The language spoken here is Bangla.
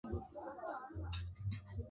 বিমানযাত্রা উপভোগ করুন।